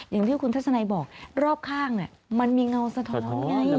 อย่างที่คุณทัศนัยบอกรอบข้างมันมีเงาสะท้อนไง